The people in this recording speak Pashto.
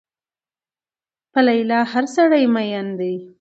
په لیلا هر سړی مين دی